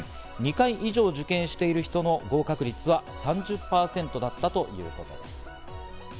２回以上受験している人の合格率は３０％だったということです。